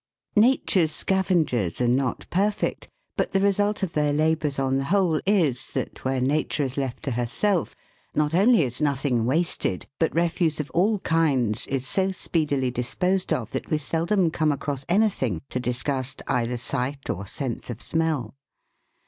NATURE'S scavengers are not perfect, but the result of their labours on the whole is, that, where Nature is left to herself, not only is nothing wasted, but refuse of all kinds is so speedily disposed of that we seldom come across anything to disgust either sight or sense of smell.